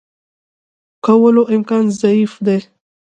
کولو امکان ضعیف دی.